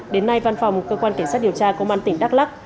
đến nay văn phòng cơ quan cảnh sát điều tra công an tỉnh đắk lắc